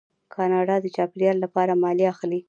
کاناډا د چاپیریال لپاره مالیه اخلي.